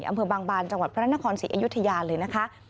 อำเภอบางบานจังหวัดพระนครศรีอยุธยาเลยนะคะ